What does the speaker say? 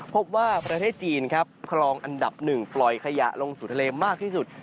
พบว่าประเทศจีนครับคลองอันดับ๑ปล่อยขยะลงสู่ทะเลมากที่สุด